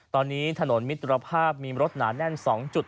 ตอนนี้ถนนมิตรภาพมีรถหนาแน่น๒จุด